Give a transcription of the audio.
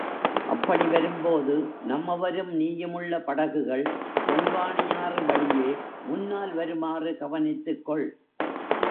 அப்படி வரும் போது நம்மவரும், நீயுமுள்ள படகுகள் பொன்வானியாறு வழியே முன்னால் வருமாறு கவனித்துக்கொள்.